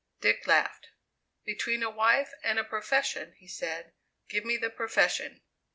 Dick laughed. "Between a wife and a profession," he said, "give me the profession."